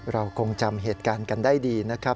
เราคงจำเหตุการณ์กันได้ดีนะครับ